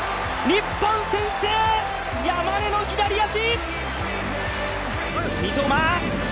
日本専制、山根の左足。